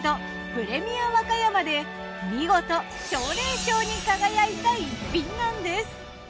プレミア和歌山で見事奨励賞に輝いた逸品なんです。